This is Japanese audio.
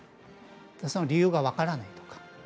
その理由が分からないとか。